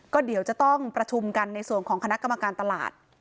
ก็เดี๋ยวจะต้องประชุมกันในส่วนของคณะกรรมการตลาด